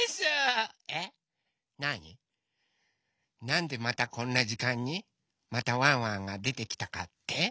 なんでまたこんなじかんにまたワンワンがでてきたかって？